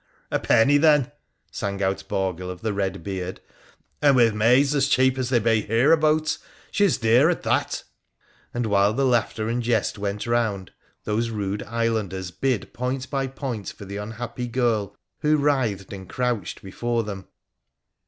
' A penny then !' sang out Borghil of the Eed Beard ;' and, with maids as cheap as they be hereabouts, she's dear at that,' and, while the laughter and jest went round, those rude islanders bid point by point for the unhappy girl who writhed and crouched before them.